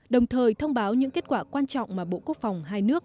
đồng thời thông báo những kết quả quan trọng mà bộ quốc phòng hai nước